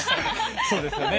そうですよね。